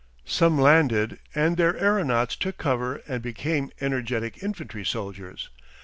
Some landed, and their aeronauts took cover and became energetic infantry soldiers.